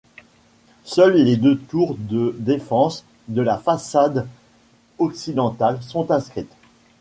Seules les deux tours de défense de la façade occidentale sont inscrites.